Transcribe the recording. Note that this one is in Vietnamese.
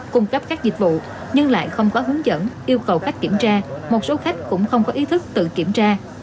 cung cấp các dịch vụ nhưng lại không có hướng dẫn yêu cầu cách kiểm tra một số khách cũng không có ý thức tự kiểm tra